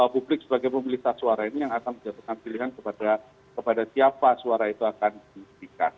publik sebagai pemilik tas suara ini yang akan menjatuhkan pilihan kepada siapa suara itu akan diberikan